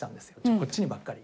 こっちにばっかり。